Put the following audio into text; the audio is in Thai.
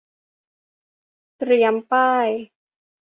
เตรียมป้าย